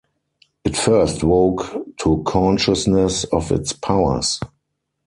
It first woke to consciousness of its powers.